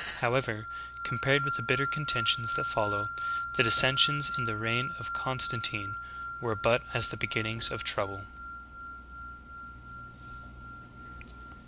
However, compared with the bitter con tentions that follow, the dissensions in the reign of Constan tine were but as the beginnings of trouble.